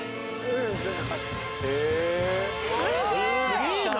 すげぇな。